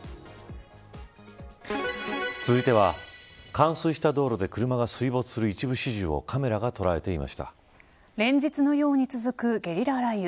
続いては冠水した道路で車が水没する一部始終を連日のように続くゲリラ雷雨。